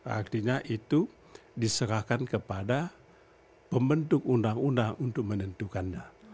artinya itu diserahkan kepada pembentuk undang undang untuk menentukannya